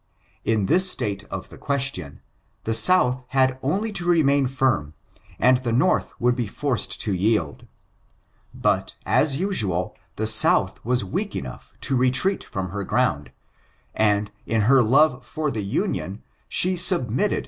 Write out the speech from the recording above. In this state of the question, the South had only to remain firm, and the North would be forced to yield ; but, as usual, the South was weak enough to retreat from her ground, and, in her love for tlie Union, she submitted ON ABOLITIONISM.